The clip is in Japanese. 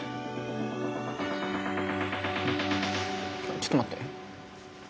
ちょっと待って。